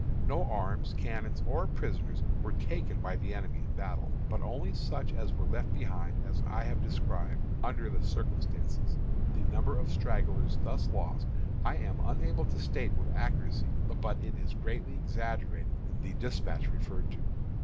No arms, cannon, or prisoners were taken by the enemy in battle, but only such as were left behind, as I have described, under the circumstances. The number of stragglers thus lost I am unable to state with accuracy, but it is greatly exaggerated in the despatch referred to.